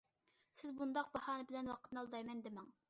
سىز بۇنداق باھانە بىلەن ۋاقىتنى ئالدايمەن دېمەڭ.